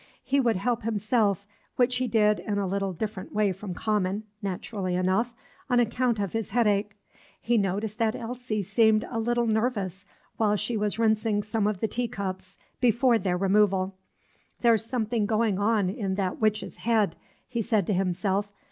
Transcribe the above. He would help himself, which he did in a little different way from common, naturally enough, on account of his headache. He noticed that Elsie seemed a little nervous while she was rinsing some of the teacups before their removal. "There's something going on in that witch's head," he said to himself.